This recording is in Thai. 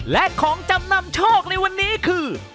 และของจำนำโชคในวันนี้คือ